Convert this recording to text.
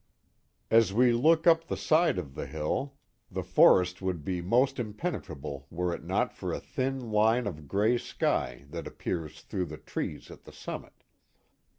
As we look up the side of the hill. Wolf Hollow 3^9 the forest would be most impenetrable were it not for a thin line of gray sky that appears through the trees at the summit.